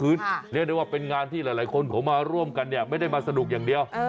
เรียกได้ว่าเป็นงานที่หลายคนเขามาร่วมกันเนี่ยไม่ได้มาสนุกอย่างเดียว